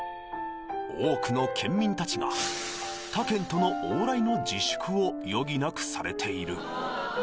多くの県民たちが他県との往来の自粛を余儀なくされている